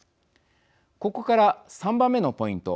ここから、３番目のポイント